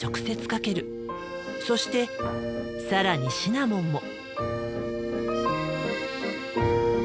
そして更にシナモンも。